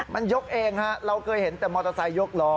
มันยกเองฮะเราเคยเห็นแต่มอเตอร์ไซค์ยกล้อ